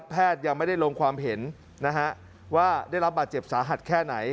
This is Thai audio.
ยังไม่ได้ลงความเห็นนะฮะว่าได้รับบาดเจ็บสาหัสแค่ไหน